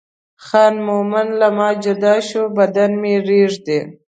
خان مومن له ما جدا شو بدن مې رېږدي.